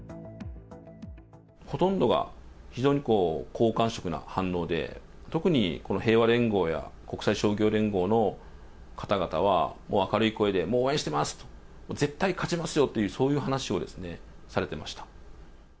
ほとんどが非常に好感触な反応で、特にこの平和連合や、国際勝共連合の方々は、明るい声で、応援しています、絶対勝ちますよという、そういう話をされてました。